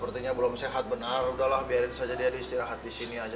makanya belum sehat benar udah lah biarin saja dia disetirahlah disini aja